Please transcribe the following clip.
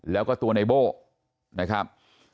แล้วก็ตัวในโบ้นะครับ